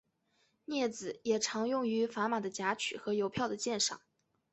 镊子也常用于砝码的夹取和邮票的鉴赏。